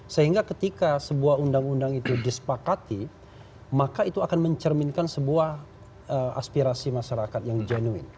sehingga ketika sebuah undang undang itu disepakati maka itu akan mencerminkan sebuah aspirasi masyarakat yang genuin